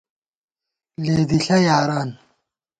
لېدِݪہ یاران